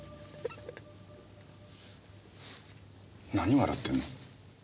何笑ってるの？